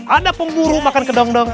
ada pemburu makan kedong dong